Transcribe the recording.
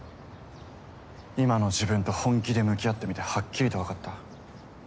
今の自分と本気で向き合ってみてはっきりとわかった。